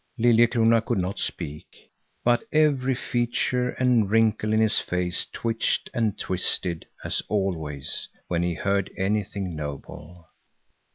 Liljekrona could not speak, but every feature and wrinkle in his face twitched and twisted as always when he heard anything noble.